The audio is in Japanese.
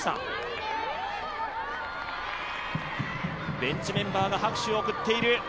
ベンチメンバーが拍手を送っている。